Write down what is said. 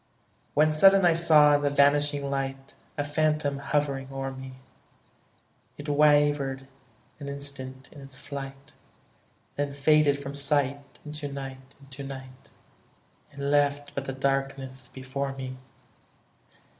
When sudden I saw in the vanishing light A phantom hovering o'er me; It wavered an instant in its flight; Then faded from sight, into night, into night, And left but the darkness before me.